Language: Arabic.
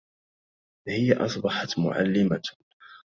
هي أصبحت مُعلمة.